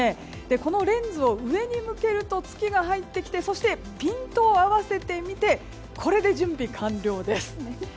このレンズを上に向けると月が入ってきて、そしてピントを合わせてみてこれで準備完了です。